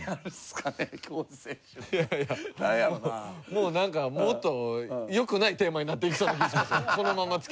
もうなんかもっと良くないテーマになっていきそうな気ぃしますよ